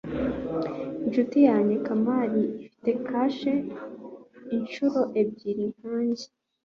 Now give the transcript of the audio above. inshuti yanjye kamari ifite kashe inshuro ebyiri nkanjye